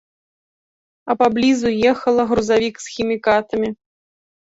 А паблізу ехала грузавік з хімікатамі.